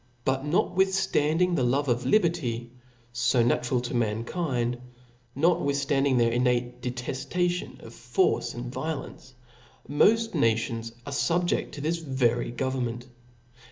But notwithftariding the Jove of liberty, \ fo natural to mankind,, notwithftanding their in* j nate deteftation of force and violence, moft nations | are fubjcA to tbisvery government.